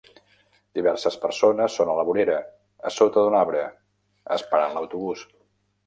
Diverses persones són a la vorera, a sota d'un arbre, esperant l'autobús.